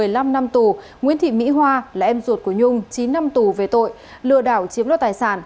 một mươi năm năm tù nguyễn thị mỹ hoa là em ruột của nhung chín năm tù về tội lừa đảo chiếm đoạt tài sản